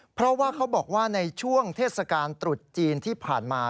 เพราะว่าเขาบอกว่าในช่วงเทศกาลตรุษจีนที่ผ่านมา